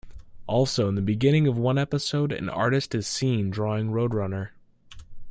Also, in the beginning of one episode, an artist is seen drawing Road Runner.